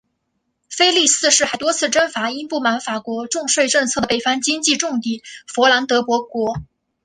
腓力四世还多次征伐因不满法国重税政策的北方经济重地佛兰德伯国。